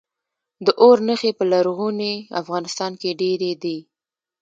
د اور نښې په لرغوني افغانستان کې ډیرې دي